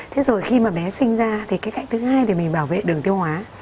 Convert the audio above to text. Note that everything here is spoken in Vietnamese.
thế rồi khi mà bé sinh ra thì cái cạnh thứ hai để mình bảo vệ đường tiêu hóa